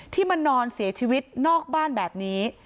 มานอนเสียชีวิตนอกบ้านแบบนี้